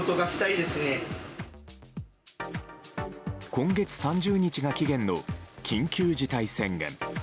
今月３０日が期限の緊急事態宣言。